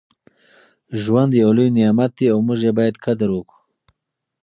ژوند یو لوی نعمت دی او موږ یې باید قدر وکړو.